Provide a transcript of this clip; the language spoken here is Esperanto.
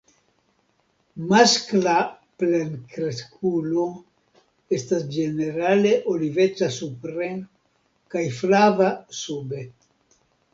Maskla plenkreskulo estas ĝenerale oliveca supre kaj flava sube.